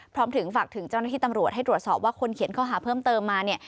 พร้อมถึงฝากถึงเจ้าหน้าที่ตำรวจให้ตรวจสอบว่าคนเขียนข้อหาเพิ่มเติมมาเนี่ย